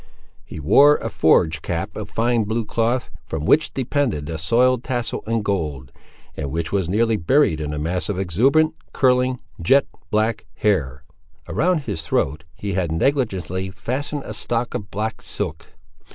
He wore a forage cap of fine blue cloth, from which depended a soiled tassel in gold, and which was nearly buried in a mass of exuberant, curling, jet black hair. Around his throat he had negligently fastened a stock of black silk.